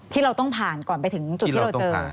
ที่เราต้องผ่านก่อนไปถึงจุดที่เราเจอ